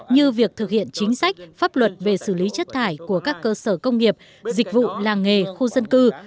như việc thực hiện chính sách pháp luật về xử lý chất thải của các cơ sở công nghiệp dịch vụ làng nghề khu dân cư